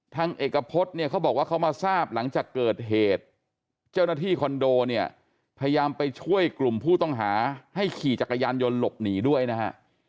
ทางเอกพฤษเนี่ยเขาบอกว่าเขามาทราบหลังจากเกิดเหตุเจ้าหน้าที่คอนโดเนี่ยพยายามไปช่วยกลุ่มผู้ต้องหาให้ขี่จักรยานยนต์หลบหนีด้วยนะฮะ